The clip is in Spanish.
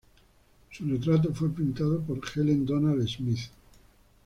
Su retrato fue pintado por Helen Donald-Smith.